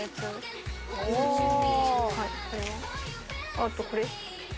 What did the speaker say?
あとこれ。